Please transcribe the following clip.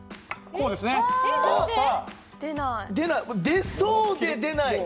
出そうで出ない。